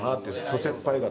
諸先輩方。